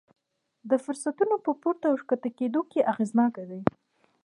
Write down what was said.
د فرصتونو په پورته او ښکته کېدو کې اغېزناک دي.